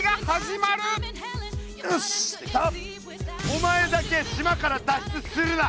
お前だけ島から脱出するな！